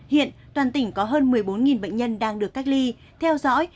hiện toàn tỉnh có hơn một mươi bốn bệnh nhân đang được cách ly theo dõi